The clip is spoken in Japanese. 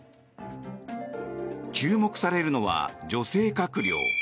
注目されるのは女性閣僚。